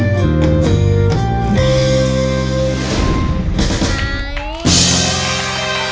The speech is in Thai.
สวัสดีครับ